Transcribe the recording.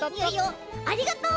ありがとう！